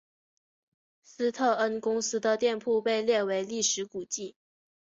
斯特恩公司的店铺被列为历史古迹。